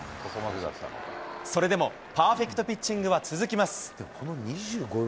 それでもパーフェクトピッチングは続きます。